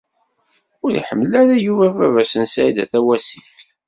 Ur iḥemmel ara Yuba baba-s n Saɛida Tawasift.